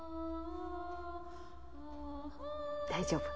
大丈夫？